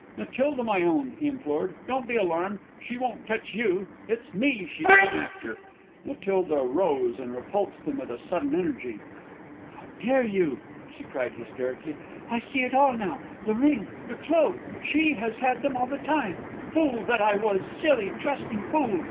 "Matilda, my own," he implored, "don't be alarmed. She won't touch you; it's me she's come after." Matilda rose and repulsed him with a sudden energy. "How dare you!" she cried, hysterically. "I see it all now: the ring, the the cloak; she has had them all the time!.... Fool that I was silly, trusting fool!"